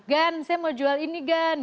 gan saya mau jual ini gan